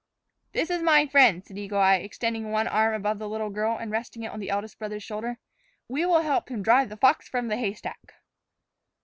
"This is my friend," said Eagle Eye, extending one arm above the little girl and resting it on the eldest brother's shoulder. "We will help him drive the fox from the haystack."